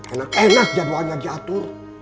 enak enak jadwalnya diatur